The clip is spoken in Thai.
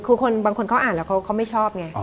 คือบางคนเขาอ่านแล้วเขาไม่ชอบไง